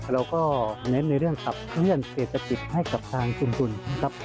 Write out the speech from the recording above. เราก็เน็ตในเรื่องขับเครื่องเศรษฐปิดให้กับทางสนุนครับ